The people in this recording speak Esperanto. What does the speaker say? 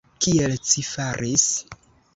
Kiel ci faris?